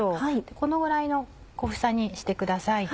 このぐらいの小房にしてください。